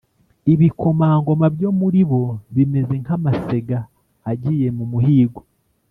Ibikomangoma byo muri bo bimeze nk’amasega agiye mu muhigo,